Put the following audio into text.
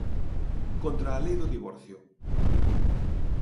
Contra a lei do divorcio.